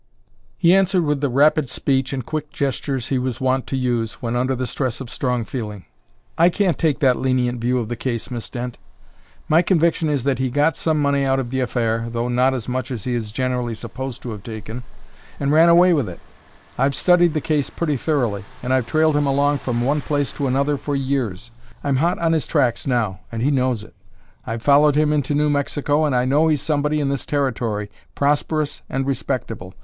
He answered with the rapid speech and quick gestures he was wont to use when under the stress of strong feeling. "I can't take that lenient view of the case, Miss Dent. My conviction is that he got some money out of the affair, though not as much as he is generally supposed to have taken, and ran away with it. I've studied the case pretty thoroughly, and I've trailed him along from one place to another for years. I'm hot on his tracks now; and he knows it. I've followed him into New Mexico, and I know he's somebody in this Territory, prosperous and respectable.